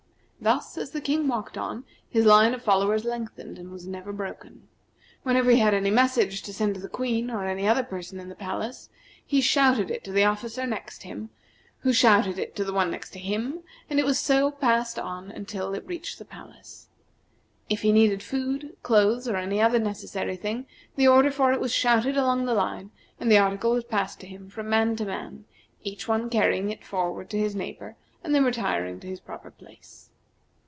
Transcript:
Thus, as the King walked on, his line of followers lengthened, and was never broken. Whenever he had any message to send to the Queen, or any other person in the palace, he shouted it to the officer next him, who shouted it to the one next to him, and it was so passed on until it reached the palace. If he needed food, clothes, or any other necessary thing, the order for it was shouted along the line, and the article was passed to him from man to man, each one carrying it forward to his neighbor, and then retiring to his proper place.